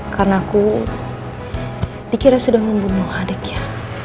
karena aku dikira sudah membunuh adiknya